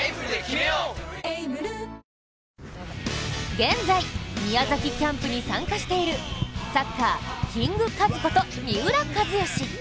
現在、宮崎キャンプに参加しているサッカー、キングカズこと三浦知良。